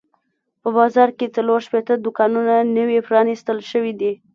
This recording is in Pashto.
په بازار کې څلور شپېته دوکانونه نوي پرانیستل شوي دي.